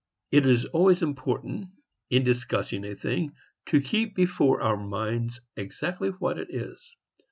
It is always important, in discussing a thing, to keep before our minds exactly what it is.